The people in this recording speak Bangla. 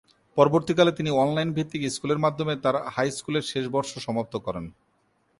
পরবর্তীকালে তিনি অনলাইন ভিত্তিক স্কুলের মাধ্যমে তার হাই স্কুলের শেষ বর্ষ সমাপ্ত করেন।